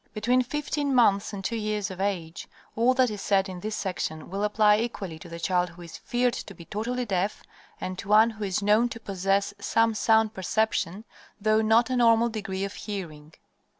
Between fifteen months and two years of age all that is said in this section will apply equally to the child who is feared to be totally deaf and to one who is known to possess some sound perception, though not a normal degree of hearing.